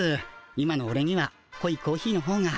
今のオレにはこいコーヒーのほうが。